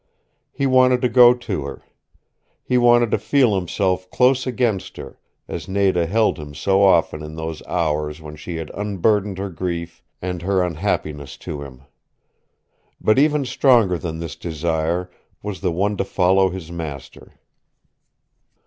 He wanted to go to her. He wanted to feel himself close against her, as Nada had held him so often in those hours when she had unburdened her grief and her unhappiness to him. But even stronger than this desire was the one to follow his master.